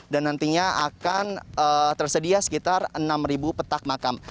dan nantinya akan tersedia sekitar enam petak makam